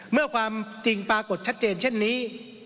เมื่อความจริงปรากฏชัดเจนเช่นนี้